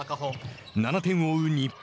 ７点を追う日本。